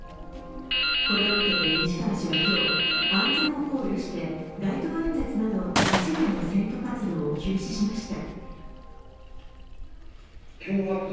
これを受けて西川氏は今日、安全を考慮して街頭演説など一部の選挙活動を休止しました。